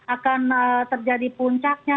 akan terjadi puncaknya